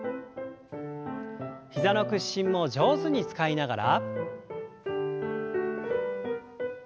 膝の屈伸も上手に使いながら。